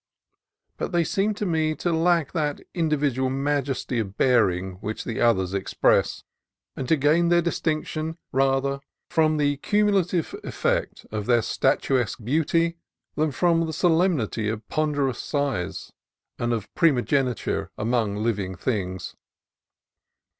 But they seemed to me to lack that individual majesty of bearing which the others express, and to gain their distinction rather from the cumulative 234 CALIFORNIA COAST TRAILS effect of their statuesque beauty than from the solemnity of ponderous size and of primogeniture among living things.